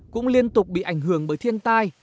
cũng liên tục bị ảnh hưởng bởi thiên tai